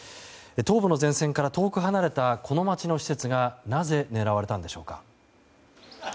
東部の前線から遠く離れたこの街の施設がなぜ狙われたのでしょうか。